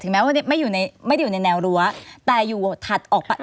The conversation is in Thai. แม้ว่าไม่ได้อยู่ในแนวรั้วแต่อยู่ถัดออกไป